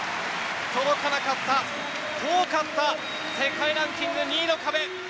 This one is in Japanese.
届かなかった、遠かった世界ランキング２位の壁。